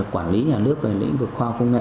quản lý nhà nước về lĩnh vực khoa học công nghệ